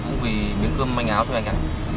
cũng vì miếng cơm manh áo thôi anh ạ